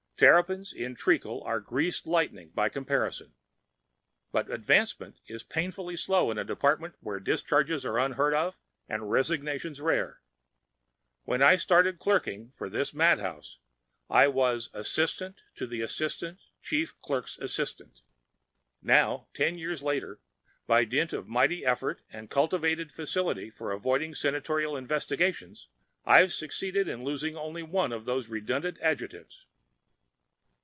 Terrapins in treacle are greased lightning by comparison. But advancement is painfully slow in a department where discharges are unheard of and resignations rare. When I started clerking for this madhouse I was assistant to the assistant Chief Clerk's assistant. Now, ten years later, by dint of mighty effort and a cultivated facility for avoiding Senatorial investigations, I've succeeded in losing only one of those redundant adjectives.